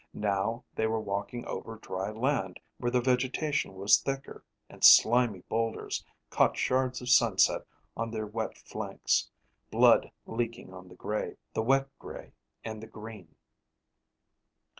Now they were walking over dry land where the vegetation was thicker, and slimy boulders caught shards of sunset on their wet flanks, blood leaking on the gray, the wet gray, and the green.